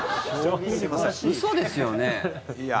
嘘ですよね？